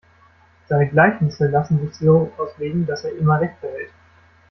Seine Gleichnisse lassen sich so auslegen, dass er immer Recht behält.